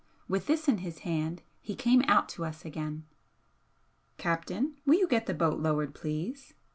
With this in his hand he came out to us again. "Captain, will you get the boat lowered, please?"